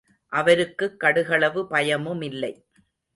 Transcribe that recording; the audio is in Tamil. அவருக்குக் கடுகளவு பயமுமில்லை.